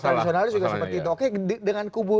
tradisional itu sudah seperti itu oke dengan